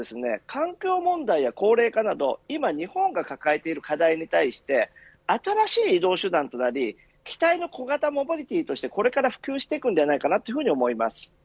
環境問題や高齢化など今日本が抱えている課題に対して新しい移動手段となり期待の小型モビリティーとしてこれから普及していくんじゃないかなというふうに思います。